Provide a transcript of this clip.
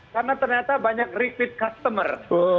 karena ternyata banyak repeat customer